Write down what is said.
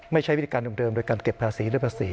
ใช้วิธีการเดิมโดยการเก็บภาษีด้วยภาษี